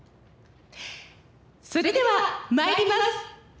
それではまいります。